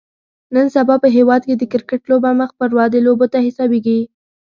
نن سبا په هیواد کې د کرکټ لوبه مخ پر ودې لوبو کې حسابیږي